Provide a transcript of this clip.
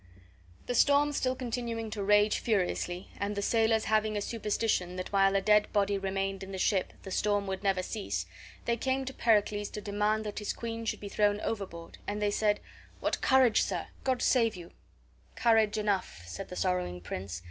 The storm still continuing to rage furiously, and the sailors having a superstition that while a dead body remained in the ship the storm would never cease, they came to Pericles to demand that his queen should be thrown overboard; and they said: "What courage, sir? God save you!" "Courage enough," said the sorrowing prince.